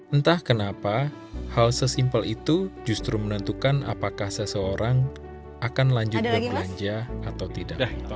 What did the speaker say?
entah kenapa hal sesimpel itu justru menentukan apakah seseorang akan lanjut berbelanja atau tidak